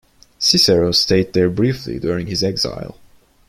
Cicero stayed there briefly during his exile.